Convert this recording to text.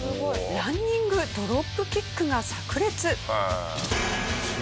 ランニングドロップキックが炸裂！